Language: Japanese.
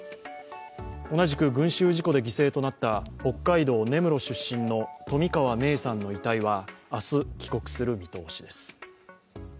同じく群集事故で犠牲となった北海道根室出身の冨川芽生さんの遺体は明日帰国する見通しです。